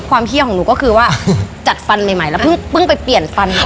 เคี้ยวของหนูก็คือว่าจัดฟันใหม่แล้วเพิ่งไปเปลี่ยนฟัน